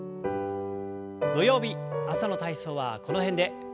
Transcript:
土曜日朝の体操はこの辺で。